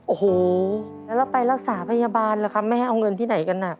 โอ้โหแล้วเราไปรักษาพยาบาลล่ะครับแม่เอาเงินที่ไหนกันน่ะ